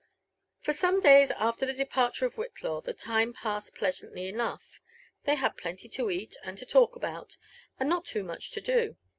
For some days after the departure of Whitlaw the time passed plea santly enough. They had plenty to eat, and to talk about, and not too much to do.